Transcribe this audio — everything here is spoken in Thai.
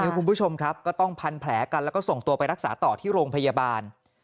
คุณผู้ชมครับก็ต้องพันแผลกันแล้วก็ส่งตัวไปรักษาต่อที่โรงพยาบาล